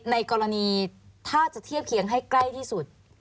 ในกรณีถ้าจะเทียบเคียงให้ใกล้ที่สุด